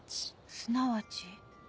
すなわち。